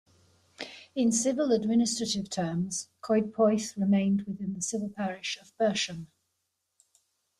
In civil administrative terms, Coedpoeth remained within the civil parish of Bersham.